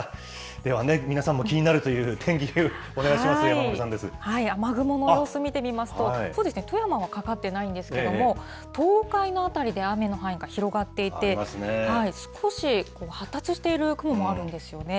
ではね、皆さんも気になるという天気、お願いしましょう、山神さ雨雲の様子見てみますと、そうですね、富山はかかってないんですけど、東海の辺りで雨の範囲が広がっていて、少し発達している雲もあるんですよね。